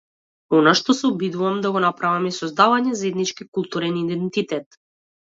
Она што се обидувам да го направам е создавање заеднички културен идентитет.